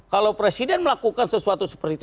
kalau presiden melakukan sesuatu seperti itu